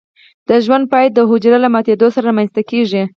د ژوند پای د حجره له ماتیدو سره رامینځته کیږي.